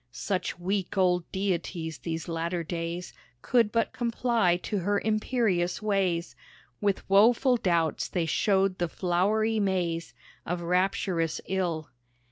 Such weak old Deities these latter days Could but comply to her imperious ways. With woeful doubts they showed the flowery maze Of rapturous ill.